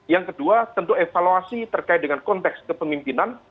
yang kedua tentu evaluasi terkait dengan konteks kepemimpinan